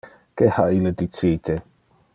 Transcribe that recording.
Que ha ille dicite?